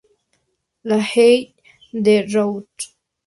La Haye-de-Routot